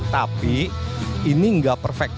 tapi ini nggak perfect